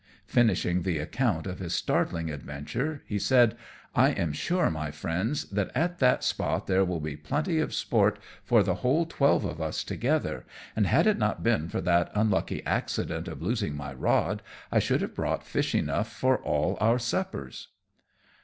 Finishing the account of his startling adventure, he said, "I am sure, my Friends, that at that spot there will be plenty of sport for the whole twelve of us together; and had it not been for that unlucky accident of losing my rod, I should have brought fish enough for all our suppers."